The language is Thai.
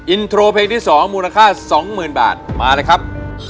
อินโทรเพลงที่สองมูลค่าสองหมื่นบาทมาเลยครับ